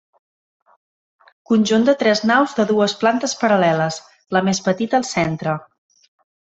Conjunt de tres naus de dues plantes paral·leles, la més petita al centre.